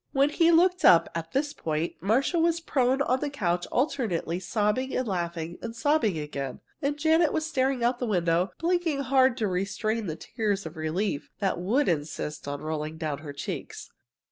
When he looked up, at this point, Marcia was prone on the couch alternately sobbing and laughing and sobbing again, and Janet was staring out of the window, blinking hard to restrain the tears of relief that would insist on rolling down her cheeks.